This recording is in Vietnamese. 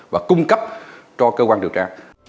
và cung cấp cho cơ quan điều tra